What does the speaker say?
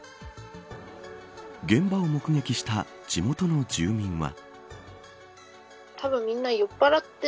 現場を目撃した地元の住民は。